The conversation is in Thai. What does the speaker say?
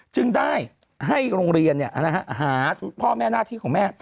จึงได้ให้โรงเรียนหาพ่อแม่หน้าที่ของแม่